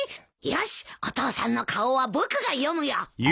よしお父さんの顔は僕が読むよ。